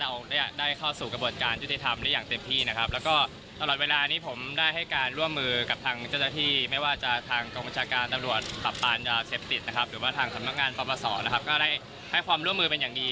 แล้วเราก็ยังยืนยันที่จะให้ความเรื่องมือ